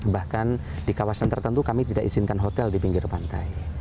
bahkan di kawasan tertentu kami tidak izinkan hotel di pinggir pantai